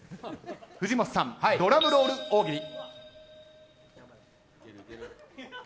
藤本さん、ドラムロール大喜利。